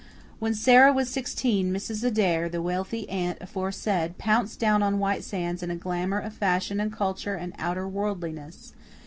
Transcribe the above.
When Sara was sixteen Mrs. Adair, the wealthy aunt aforesaid, pounced down on White Sands in a glamour of fashion and culture and outer worldliness.